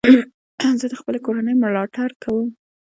زه د خپلي کورنۍ ملاتړ کوم.